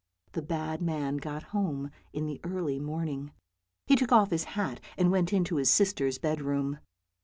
The bad man got home in the early morning; he took off his hat, and went into his sister's bedroom.